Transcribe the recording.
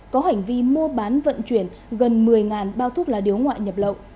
có hành vi mua bán vận chuyển gần một mươi bao thuốc lá điếu ngoại nhập lậu